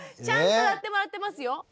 ちゃんとやってもらってますよ。